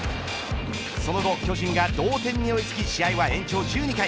その後巨人が同点に追いつき試合は延長１２回。